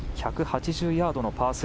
１８０ヤードのパー３。